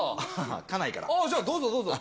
ああ、じゃあ、どうぞどうぞ。